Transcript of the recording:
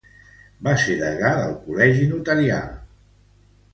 Va ser degà del Col·legi Notarial de Madrid.